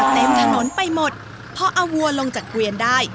บันทุกเวียนกันมาเต็มถนนไปหมดเพราะวัวลงจากเวียนได้